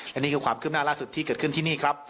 อันนี้คือความคืบหน้าล่าสุดที่เกิดขึ้นที่นี่ครับ